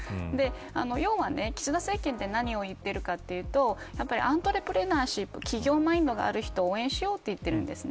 要は、岸田政権って何をいってるかというとアントレプレナーシップ企業マインドがある人を応援しようといってるんですね。